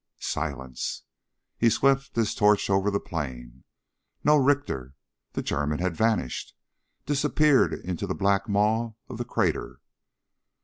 Silence. He swept his torch over the plain. No Richter. The German had vanished ... disappeared into the black maw of the crater.